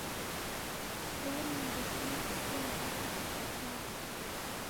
Kushoma ndokune kusia mpaka iji kwafwa.